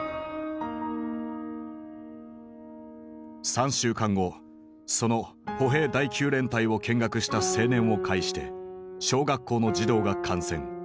３週間後その歩兵第９連隊を見学した青年を介して小学校の児童が感染。